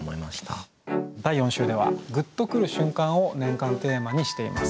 第４週では「グッとくる瞬間」を年間テーマにしています。